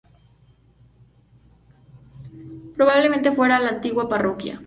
Probablemente fuera la antigua parroquia.